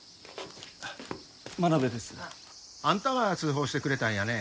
あんたが通報してくれたんやね。